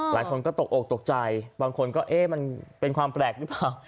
หลายคนก็ตกอกตกใจบางคนก็เอ๊ะมันเป็นความแปลกหรือเปล่า